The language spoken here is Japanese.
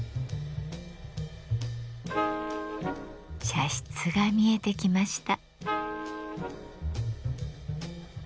茶室が見えてきました。